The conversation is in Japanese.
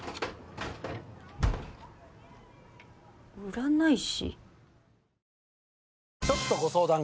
占い師？